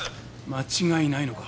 間違いないのか？